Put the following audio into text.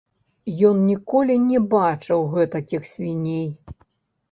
Ён ніколі не бачыў гэтакіх свіней.